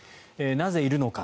なぜいるのか。